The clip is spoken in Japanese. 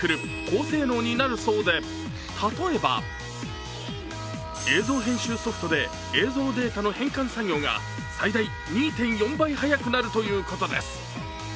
これまで以上にパワフル、高性能になるそうで、例えば映像編集ソフトで映像データの変換作業が最大２．４倍速くなるということです